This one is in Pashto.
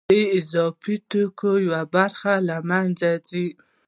د اضافي توکو یوه برخه له منځه ځي